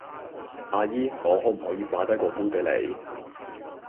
阿姨我可唔可以擺低個杯畀你？